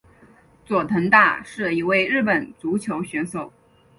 佐藤大是一位日本足球选手。